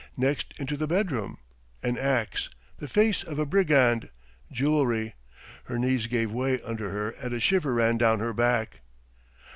. next into the bedroom ... an axe ... the face of a brigand ... jewelry. ... Her knees gave way under her and a shiver ran down her back.